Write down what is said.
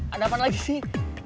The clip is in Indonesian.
ada apaan lagi sih